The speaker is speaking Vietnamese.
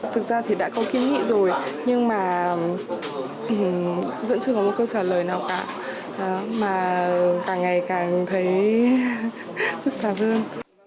thực ra thì đã có kiếm nghĩa rồi nhưng mà vẫn chưa có một câu trả lời nào cả mà càng ngày càng thấy phức tạp hơn